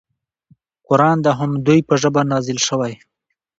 قران د همدوی په ژبه نازل شوی.